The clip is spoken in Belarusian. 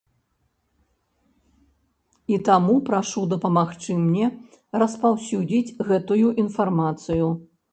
І таму прашу дапамагчы мне распаўсюдзіць гэтую інфармацыю.